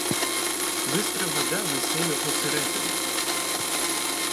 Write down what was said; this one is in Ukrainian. Бистра вода несе його серединою.